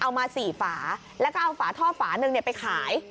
มา๔ฝาแล้วก็เอาฝาท่อฝาหนึ่งไปขาย